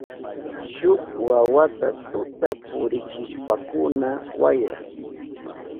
Shuk wawata tuta purichishpankuna wayran.